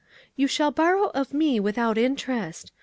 "You shall borrow of me without interest.